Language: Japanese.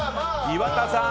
岩田さん